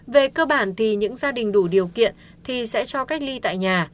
về cơ bản thì những gia đình đủ điều kiện thì sẽ cho cách ly tại nhà